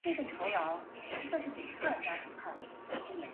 母杨氏。